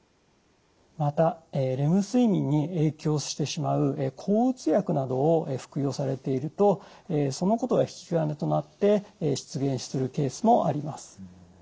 またレム睡眠に影響してしまう抗うつ薬などを服用されているとそのことが引き金となって出現するケースもあります。